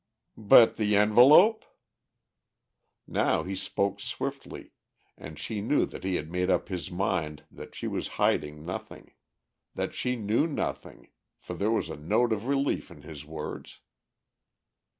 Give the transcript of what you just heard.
"But the envelope?" Now he spoke swiftly and she knew that he had made up his mind that she was hiding nothing, that she knew nothing, for there was a note of relief in his words.